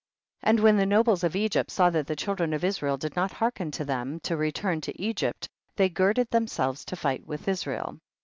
16. And when the nobles of Egypt saw that the children of Israel did not hearken to them, to return to Egypt, they girded themselves to fight with Israel.